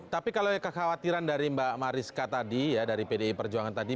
tapi kalau kekhawatiran dari mbak mariska tadi ya dari pdi perjuangan tadi